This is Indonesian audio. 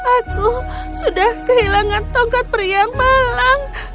aku sudah kehilangan tongkat peri yang malang